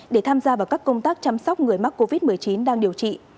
để tham gia vào các công tác chăm sóc người mắc covid một mươi chín đang điều trị